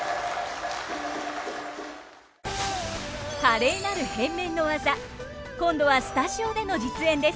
華麗なる変面の技今度はスタジオでの実演です。